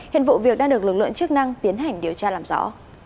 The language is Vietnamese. hiện vụ việc đang được lực lượng chức năng tiến hành điều tra làm rõ